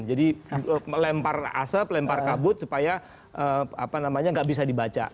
jadi lempar asap lempar kabut supaya apa namanya nggak bisa dibaca